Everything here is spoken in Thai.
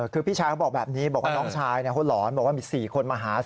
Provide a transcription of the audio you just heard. คือพี่ชายเขาบอกแบบนี้บอกว่าน้องชายเขาหลอนบอกว่ามี๔คนมาหา